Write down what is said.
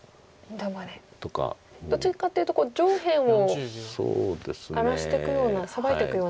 どっちかっていうと上辺を荒らしていくようなサバいていくような。